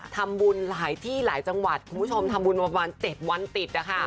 ทำบุญหลายที่หลายจังหวัดคุณผู้ชมทำบุญมาประมาณ๗วันติดนะคะ